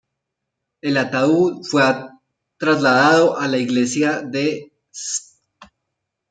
El ataúd fue trasladado a la iglesia de St.